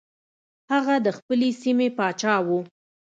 هغه د خپلې سیمې پاچا و.